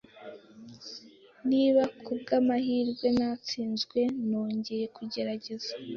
Niba kubwamahirwe natsinzwe, nongeye kugerageza.